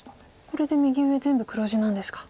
これで右上全部黒地なんですか。